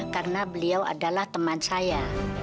karena beliau adalah teman saya